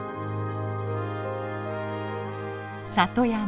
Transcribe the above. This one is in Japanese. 里山。